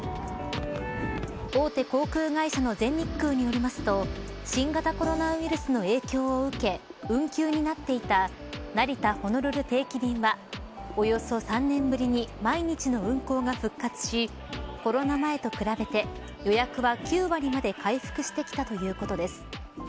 大手航空会社の全日空によりますと新型コロナウイルスの影響を受け運休になっていた成田・ホノルル定期便はおよそ３年ぶりに毎日の運航が復活しコロナ前と比べて予約は９割まで回復してきたということです。